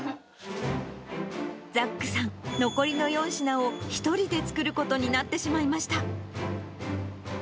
ザックさん、残りの４品を１人で作ることになってしまいました。